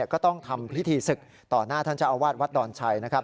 ก็ต้องทำพิธีศึกต่อหน้าท่านเจ้าอวาสวัตรวัดด่อนชัย